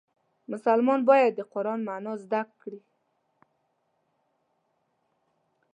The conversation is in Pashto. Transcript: مسلمان باید د قرآن معنا زده کړي.